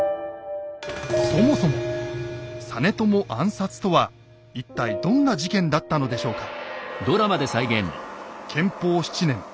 そもそも「実朝暗殺」とは一体どんな事件だったのでしょうか？